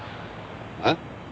えっ？